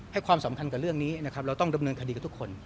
ความสำคัญกับเรื่องนี้นะครับเราต้องดำเนินคดีกับทุกคน